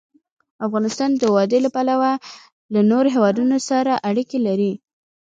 افغانستان د وادي له پلوه له نورو هېوادونو سره اړیکې لري.